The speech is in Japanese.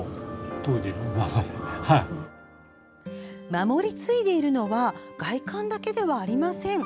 守り継いでいるのは外観だけではありません。